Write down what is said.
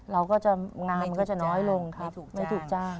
เราก็จะงานมันก็จะน้อยลงไม่ถูกจ้าง